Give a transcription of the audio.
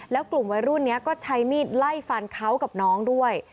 แล้วกลุ่มวัยรุ่นนี้ก็ใช้มีดไล่ฟันเขากับน้องด้วย